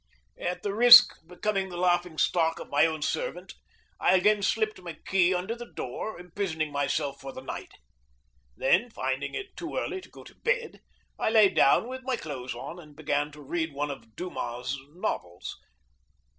At the risk of becoming the laughing stock of my own servant, I again slipped my key under the door, imprisoning myself for the night. Then, finding it too early to go to bed, I lay down with my clothes on and began to read one of Dumas's novels.